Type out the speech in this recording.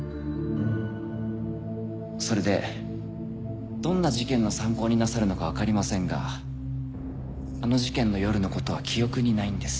それでどんな事件の参考になさるのかわかりませんがあの事件の夜の事は記憶にないんです。